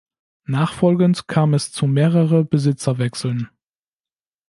Nachfolgend kam es zu mehrere Besitzerwechseln.